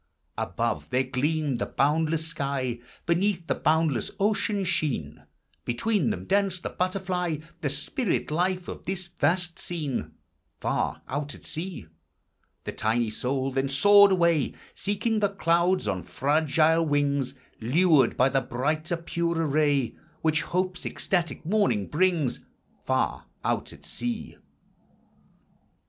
THOUGHT: POETRY: BOOKH. 353 Above, there gleamed the boundless sky ; Beneath, the boundless ocean sheen ; Between them danced the butterfly, The spirit life of this vast scene, Far out at sea* The tiny soul then soared away, Seeking the clouds on fragile wings, Lured by the brighter, purer ray Which hope's ecstatic morning brings, Far out at sea.